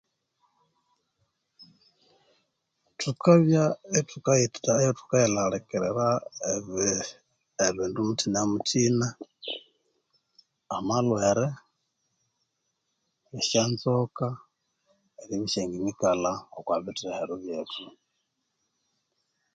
Thukabya ithukayithaa ithukayilhalikirira ebii ebindu muthina muthina amalhwere esyonzoka eribya isyangina ikalha okwa bitheheru byethu